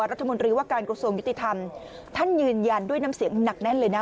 รัฐมนตรีว่าการกระทรวงยุติธรรมท่านยืนยันด้วยน้ำเสียงหนักแน่นเลยนะ